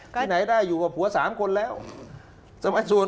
ที่ไหนได้อยู่กับผัวสามคนแล้วส่วน